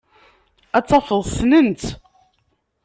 Ad tafeḍ ssnen-tt.